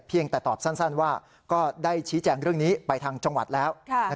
แต่ตอบสั้นว่าก็ได้ชี้แจงเรื่องนี้ไปทางจังหวัดแล้ว